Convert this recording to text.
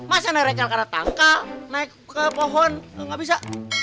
masa enak rekal karena tangkal naik ke pohon enggak bisa